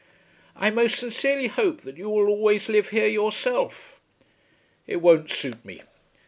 "I most sincerely hope that you will always live here yourself." "It won't suit me.